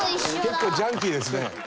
結構ジャンキーですね。